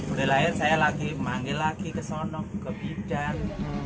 udah lahir saya lagi manggil lagi ke sono ke bidan